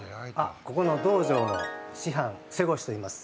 ここの道場の師範瀬越といいます。